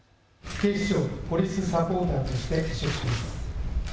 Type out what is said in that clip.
警視庁ポリスサポーターとして委嘱します。